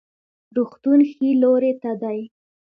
روغتون ښي لوري ته دی